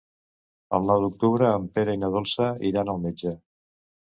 El nou d'octubre en Pere i na Dolça iran al metge.